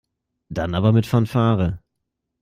Dann aber mit Fanfare.